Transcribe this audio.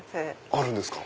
あるんですか。